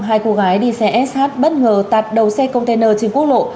hai cô gái đi xe sh bất ngờ tạt đầu xe container trên quốc lộ